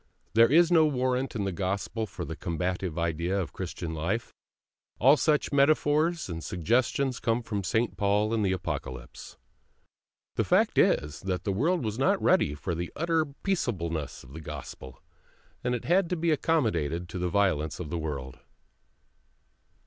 There is no warrant in the Gospel for the combative idea of the Christian life; all such metaphors and suggestions come from St. Paul and the Apocalypse. The fact is that the world was not ready for the utter peaceableness of the Gospel, and it had to be accommodated to the violence of the world.